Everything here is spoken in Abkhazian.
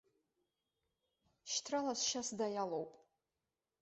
Шьҭрала сшьа-сда иалоуп.